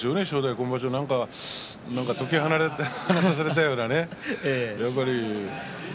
今場所は何か解き放たれたようなね。